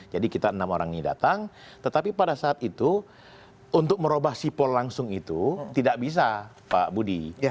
jadi kita enam orang ini datang tetapi pada saat itu untuk merubah sipol langsung itu tidak bisa pak budi